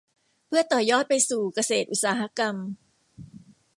เพื่อต่อยอดไปสู่เกษตรอุตสาหกรรม